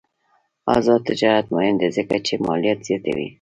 آزاد تجارت مهم دی ځکه چې مالیات زیاتوي.